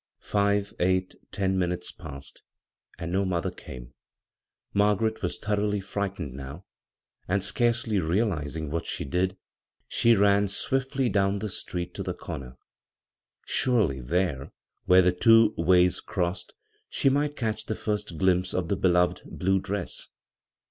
Five, eight, ten minutes passed, and no mother came. Margaret was thoroughly frightened now, and scarcely realizing what she did, she ran swiftly down the street to the comer. Surely there, where the two ways crossed, she might catch the first glimpse of the beloved blue dress.